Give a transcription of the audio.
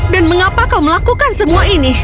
dan mengapa kau melakukan semua ini